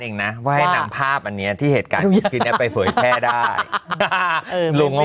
เองนะว่าให้นำภาพอันเนี้ยที่เหตุการณ์ก็แพ่ได้หี่